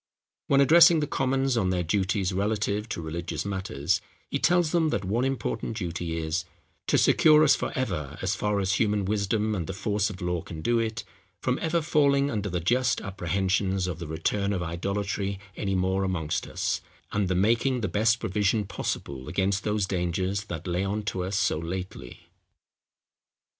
When addressing the Commons on their duties relative to religious matters, he tells them that one important duty is, "to secure us for ever, as far as human wisdom and the force of law can do it, from ever falling under the just apprehensions of the return of idolatry any more amongst us, and the making the best provision possible against those dangers that lay on us so lately."